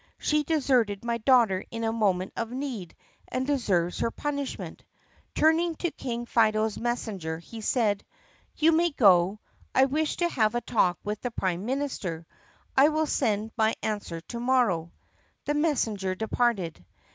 She deserted my daughter in a moment of need and deserves her punishment." Turning to King Fido's messenger he said: "You may go. I wish to have a talk with the prime minister. I will send my answer to morrow." The messenger departed.